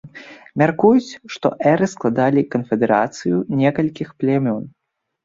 Мяркуюць, што эры складалі канфедэрацыю некалькіх плямён.